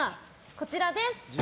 こちらです。